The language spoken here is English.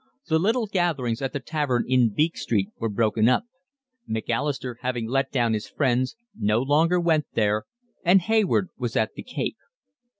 The little gatherings at the tavern in Beak Street were broken up: Macalister, having let down his friends, no longer went there, and Hayward was at the Cape.